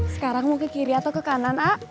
sekarang mau ke kiri atau ke kanan a